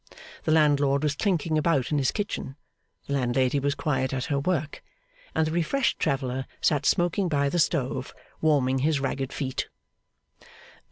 The landlord was clinking about in his kitchen; the landlady was quiet at her work; and the refreshed traveller sat smoking by the stove, warming his ragged feet.